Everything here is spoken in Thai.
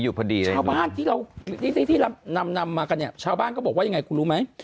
พอดีเลยชาวบ้านที่เรานำนำมากันเนี่ยชาวบ้านก็บอกว่ายังไงคุณรู้ไหม